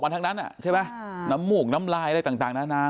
อันทั้งนั้นอ่ะใช่ไหมอ่าน้ำหมูกน้ำลายอะไรต่างต่างนานา